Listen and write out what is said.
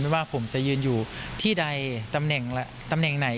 ว่าผมจะยืนอยู่ที่ใดตำแหน่งไหน